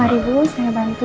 mari bu saya bantu